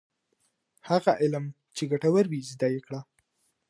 هغه علم چي ګټور وي زده یې کړه.